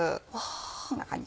こんな感じ。